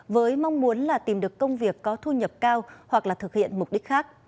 với mong muốn tìm được công việc có thu nhập cao hoặc thực hiện mục đích khác